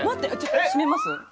閉めます？